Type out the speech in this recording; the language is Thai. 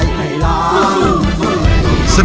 ร้องได้ให้ร้าง